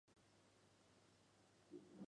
本届会外赛在天母网球场进行。